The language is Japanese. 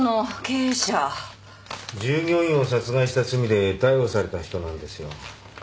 従業員を殺害した罪で逮捕された人なんですよ。